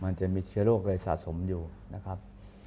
มันจะมีเชื้อโรคอะไรสะสมอยู่นะครับ